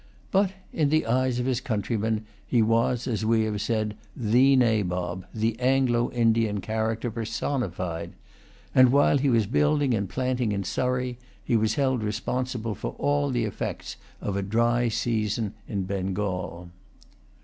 But, in the eyes of his countrymen, he was, as we have said, the Nabob, the Anglo Indian character personified; and, while he was building and planting in Surrey, he was held responsible for all the effects of a dry season in Bengal.